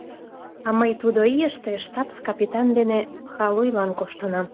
А мый тудо ийыште штабс-капитан дене халуйлан коштынам.